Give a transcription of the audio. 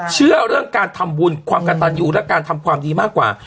เชื่อเรื่องการทำบุญความกระตันยูและการทำความดีมากกว่า